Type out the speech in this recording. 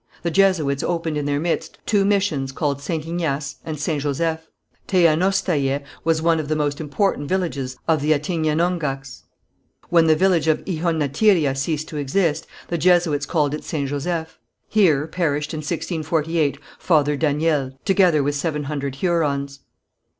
The Jesuits opened in their midst two missions called St. Ignace and St. Joseph. Teanaustayaé was one of the most important villages of the Attignenonghacs. When the village of Ihonatiria ceased to exist, the Jesuits called it St. Joseph. Here perished, in 1648, Father Daniel, together with seven hundred Hurons.